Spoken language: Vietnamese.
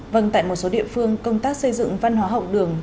vâng tại một số địa phương công tác xây dựng văn hóa học đường